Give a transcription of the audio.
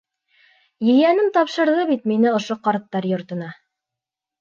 Ейәнем тапшырҙы бит мине ошо ҡарттар йортона.